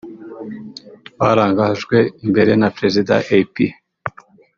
barangajwe imbere na Perezida Ap